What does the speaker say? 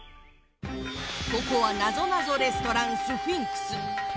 ここはなぞなぞレストランスフィンクス。